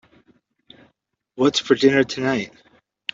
What's for dinner tonight?